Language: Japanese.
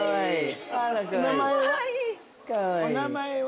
お名前は？